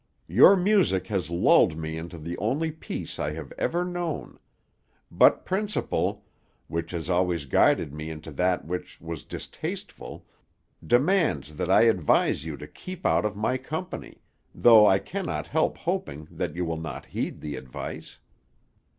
Your music has lulled me into the only peace I have ever known; but principle which has always guided me into that which was distasteful demands that I advise you to keep out of my company, though I cannot help hoping that you will not heed the advice."